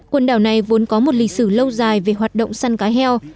quần đảo này vốn có một lịch sử lâu dài về hoạt động săn cá heo